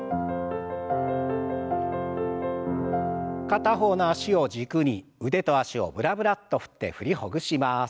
片方の脚を軸に腕と脚をブラブラッと振って振りほぐします。